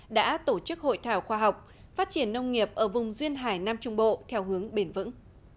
đã tổ chức hội thảo khoa học phát triển nông nghiệp ở vùng duyên hải nam trung bộ theo hướng bền vững